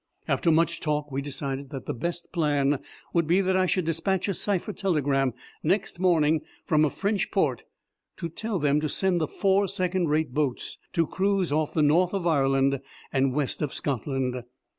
After much talk we decided that the best plan would be that I should dispatch a cipher telegram next morning from a French port to tell them to send the four second rate boats to cruise off the North of Ireland and West of Scotland.